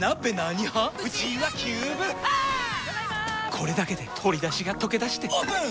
これだけで鶏だしがとけだしてオープン！